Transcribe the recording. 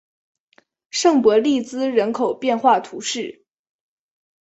圣博利兹人口变化图示